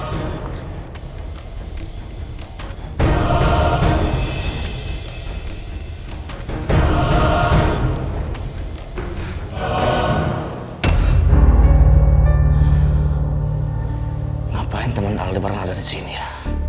sampai jumpa di video selanjutnya